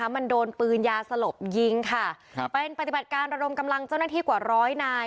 มันโดนปืนยาสลบยิงค่ะครับเป็นปฏิบัติการระดมกำลังเจ้าหน้าที่กว่าร้อยนาย